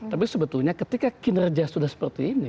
tapi sebetulnya ketika kinerja sudah seperti ini